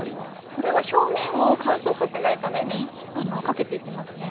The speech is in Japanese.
これは表面を乾燥させないためにかけていきますね。